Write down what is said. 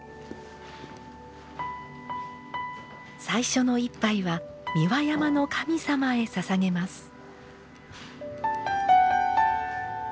最初の一杯は三輪山の神様へささげます。